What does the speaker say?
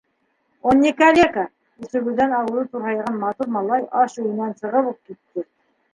Он не калека! - үсегеүҙән ауыҙы турһайған матур малай аш өйөнән сығып уҡ китте.